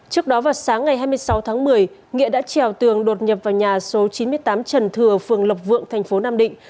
trước đó vào sáng ngày hai mươi sáu tháng một mươi nghĩa đã trèo tường đột nhập vào nhà số chín mươi tám trần thừa phường lộc vượng thành phố nam định